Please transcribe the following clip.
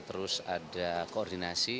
terus ada koordinasi